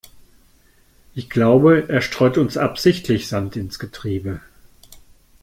Ich glaube, er streut uns absichtlich Sand ins Getriebe.